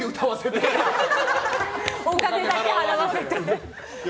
お金だけ払わせて。